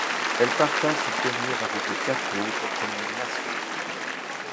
Elle partage cette dernière avec quatre autres Premières nations.